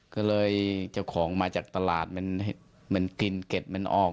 ก็เลยเจ้าของมาจากตลาดเห็นไหมเฮ่นกินเก็ดมันอ้อก